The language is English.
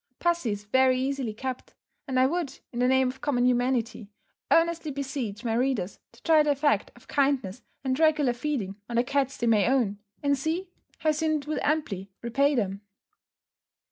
Pussy is very easily kept, and I would, in the name of common humanity, earnestly beseech my readers to try the effect of kindness and regular feeding on the cats they may own, and see how soon it will amply repay them.